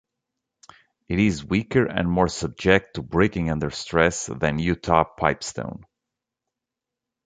It is weaker and more subject to breaking under stress than Utah pipestone.